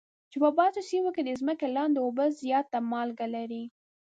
چې په بعضو سیمو کې د ځمکې لاندې اوبه زیاته مالګه لري.